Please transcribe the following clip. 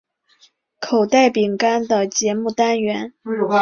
口袋饼干的节目单元。